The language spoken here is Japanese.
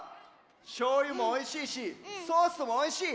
しょうゆもおいしいしソースもおいしい。